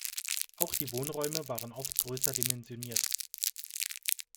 Auch die Wohnräume waren oft größer dimensioniert.